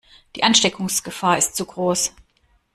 Die Ansteckungsgefahr ist zu groß.